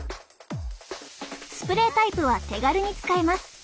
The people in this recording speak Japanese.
スプレータイプは手軽に使えます。